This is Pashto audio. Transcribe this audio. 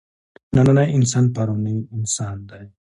نننی انسان پروني انسان دی.